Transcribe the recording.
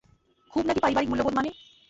খুব নাকি পারিবারিক মূল্যবোধ মানে।